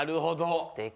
すてき！